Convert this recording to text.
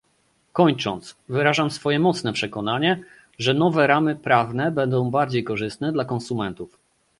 Kończąc, wyrażam swoje mocne przekonanie, że nowe ramy prawne będą bardziej korzystne dla konsumentów